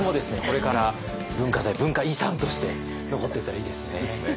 これから文化財文化遺産として残っていったらいいですね。